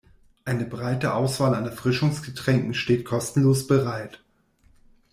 Eine breite Auswahl an Erfrischungsgetränken steht kostenlos bereit.